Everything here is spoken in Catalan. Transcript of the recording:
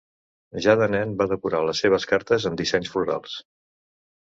Ja de nen, va decorar les seves cartes amb dissenys florals.